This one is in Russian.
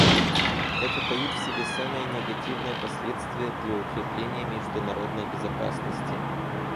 Это таит в себе самые негативные последствия для укрепления международной безопасности.